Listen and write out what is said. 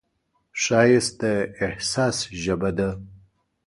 ښایست د احساس ژبه ده